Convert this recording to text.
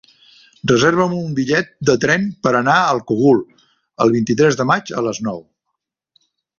Reserva'm un bitllet de tren per anar al Cogul el vint-i-tres de maig a les nou.